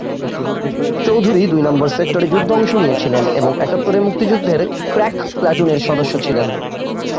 চৌধুরী দুই নম্বর সেক্টরে যুদ্ধে অংশ নিয়েছিলেন এবং একাত্তরের মুক্তিযুদ্ধের ক্র্যাক প্লাটুনের সদস্য ছিলেন।